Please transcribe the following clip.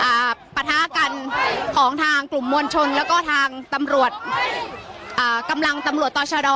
ปะทะกันของทางกลุ่มมวลชนแล้วก็ทางตำรวจอ่ากำลังตำรวจต่อชะดอ